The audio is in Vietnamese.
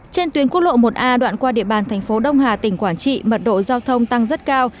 trên tuyến quốc lộ một a đoạn qua địa bàn thành phố đông hà tỉnh quảng trị mật độ giao thông tăng rất cao